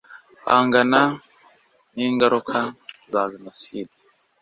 guhangana n'ingaruka za jenoside